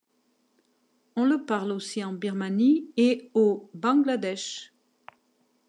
On le parle aussi en Birmanie et au Bangladesh.